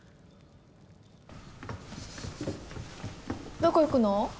どこ行くの？